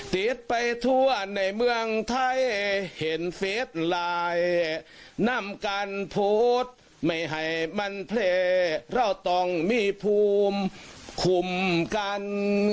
ติดไปทั่วในเมืองไทยเห็นเฟสไลน์นำกันโพสต์ไม่ให้มันเพลย์เราต้องมีภูมิคุมกัน